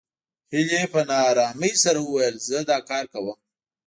هيلې په نا آرامۍ سره وويل زه دا کار کوم